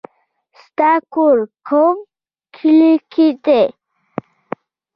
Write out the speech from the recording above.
ستا کور کوم کلي کې دی